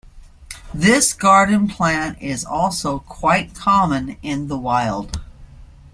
This garden plant is also quite common in the wild.